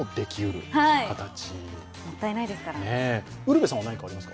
もったいないですからね。